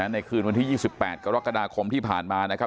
ในคืนวันที่๒๘กรกฎาคมที่ผ่านมานะครับ